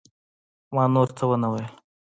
ما نور څه ونه ويل.